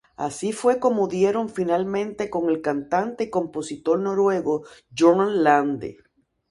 Así fue como dieron finalmente con el cantante y compositor noruego Jorn Lande.